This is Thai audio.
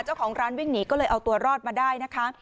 เจ้าของร้านวิ่งหนีก็เลยเอาตัวรอดมาได้นะคะ